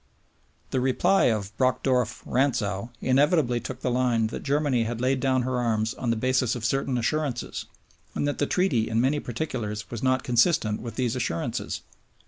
The reply of Brockdorff Rantzau inevitably took the line that Germany had laid down her arms on the basis of certain assurances, and that the Treaty in many particulars was not consistent with these assurances.